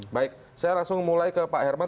baik saya langsung mulai ke pak herman